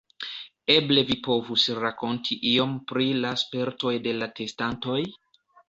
Eble vi povus rakonti iom pri la spertoj de la testantoj?